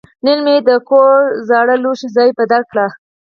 نن مې د کور زړو لوښو ځای بدل کړ.